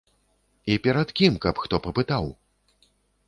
І перад кім, каб хто папытаў?!